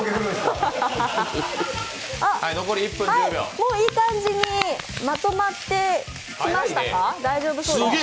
もういい感じにまとまってきましたか、大丈夫そうですか？